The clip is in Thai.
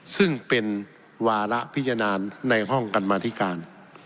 ซึ่งเป็นวาระพิจารณาในห้องกรรมาธิการ